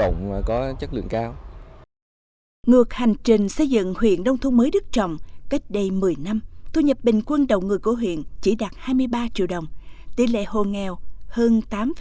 ngược hành trình xây dựng huyện đông thôn mới đức trọng cách đây một mươi năm thu nhập bình quân đầu người của huyện chỉ đạt hai mươi ba triệu đồng tỷ lệ hồ nghèo hơn tám